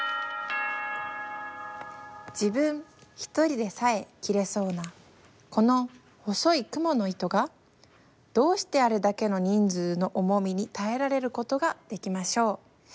「自分一人でさえ断れそうなこの細い蜘蛛の糸がどうしてあれだけの人数の重みに堪えられることが出来ましょう。